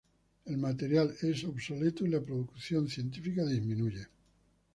El material es obsoleto y las producción científica disminuye.